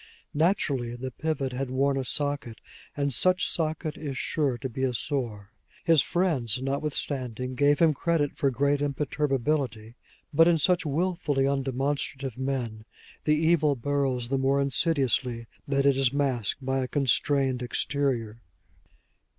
Naturally the pivot had worn a socket, and such socket is sure to be a sore. His friends notwithstanding gave him credit for great imperturbability; but in such willfully undemonstrative men the evil burrows the more insidiously that it is masked by a constrained exterior.